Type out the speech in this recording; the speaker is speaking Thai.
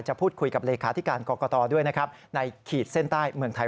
จะพูดคุยกับเหลวขาธิการกกต่อในขีดเส้นใต้เมืองไทย